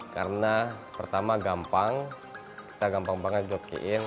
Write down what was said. karena pertama gampang kita gampang banget jokiin